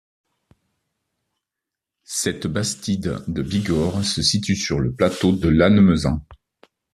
Cette bastide de Bigorre se situe sur le plateau de Lannemezan.